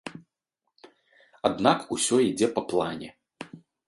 Аднак усё ідзе па плане.